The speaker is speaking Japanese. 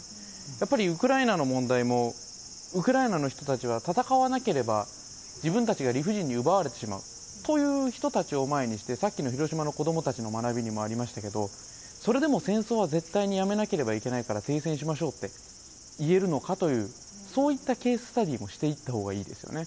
やっぱりウクライナの問題も、ウクライナの人たちは戦わなければ、自分たちが理不尽に奪われてしまうという人たちを前にして、さっきの広島の子どもたちの学びにもありましたけど、それでも戦争は絶対にやめなければいけないから停戦しましょうって言えるのかという、そういったケーススタディもしていったほうがいいですよね。